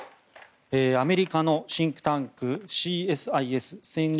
アメリカのシンクタンクＣＳＩＳ・戦略